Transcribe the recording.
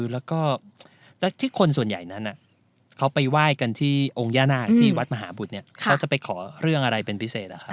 แล้วก็ที่คนส่วนใหญ่นั้นเขาไปไหว้กันที่องค์ย่านาคที่วัดมหาบุตรเนี่ยเขาจะไปขอเรื่องอะไรเป็นพิเศษ